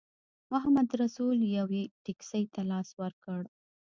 محمدرسول یوې ټیکسي ته لاس ورکړ.